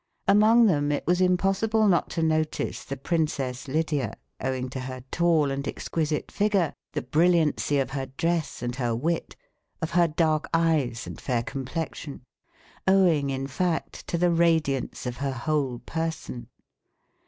Among them it was impossible not to notice the Princess Lydia, owing to her tall and exquisite figure, the brilliancy of her dress and her wit, of her dark eyes and fair complexion, owing in fact to the radiance of her whole person.